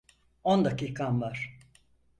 On dakikan var.